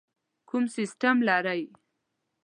کوم سیسټم لرئ؟